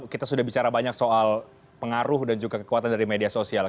kita sudah bicara banyak soal pengaruh dan juga kekuatan dari media sosial